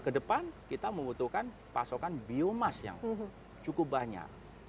ke depan kita membutuhkan pasokan biomass yang cukup banyak